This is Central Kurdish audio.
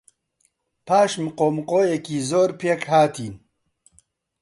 پاش مقۆمقۆیەکی زۆر، پێک هاتین.